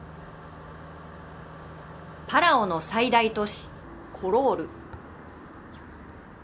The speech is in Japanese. パラオの最大都市コロール。